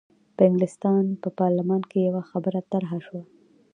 په انګلستان په پارلمان کې یوه خبره طرح شوه.